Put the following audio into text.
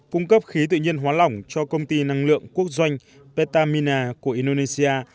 cung cấp khí tự nhiên hóa lỏng cho công ty năng lượng quốc doanh petamina của indonesia